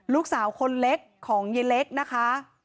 ลูกสาวคนเล็กของยายเล็กนะคะ